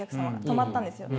止まったんですよ。